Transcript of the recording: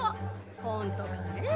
ほんとかねぇ？